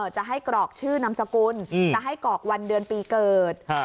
จะให้กรอกชื่อนามสกุลจะให้กรอกวันเดือนปีเกิด